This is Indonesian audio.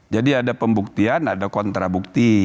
jadi ada pembuktian ada kontrabukti